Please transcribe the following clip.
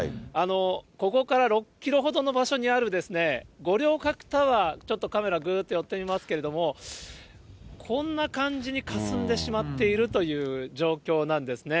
ここから６キロほどの場所にある五稜郭タワー、ちょっとカメラぐーっと寄ってみますけれども、こんな感じにかすんでしまっているという状況なんですね。